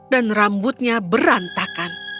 dan rambutnya berantakan